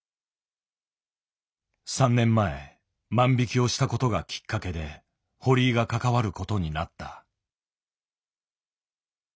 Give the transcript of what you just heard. ３年前万引きをしたことがきっかけで堀井が関わることになった。